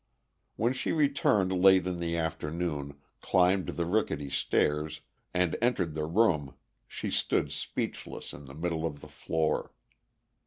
When she returned late in the afternoon, climbed the rickety stairs, and entered the room, she stood speechless in the middle of the floor.